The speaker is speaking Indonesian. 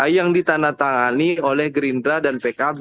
yang ditandatangani oleh gerindra dan pkb